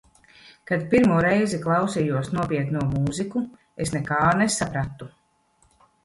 Kad pirmo reizi klausījos nopietno mūziku, es nekā nesapratu.